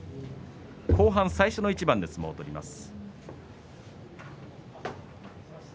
後半、最初の一番で相撲を取ります。